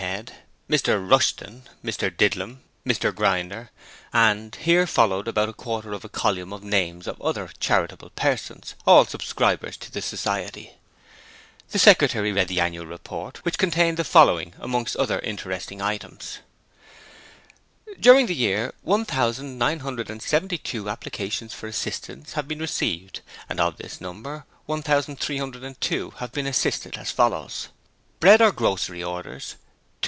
Head, Mr Rushton, Mr Didlum, Mr Grinder and (here followed about a quarter of a column of names of other charitable persons, all subscribers to the Society). The Secretary read the annual report which contained the following amongst other interesting items: During the year, 1,972 applications for assistance have been received, and of this number 1,302 have been assisted as follows: Bread or grocery orders, 273.